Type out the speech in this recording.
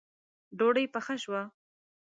ډوډۍ پخه شوه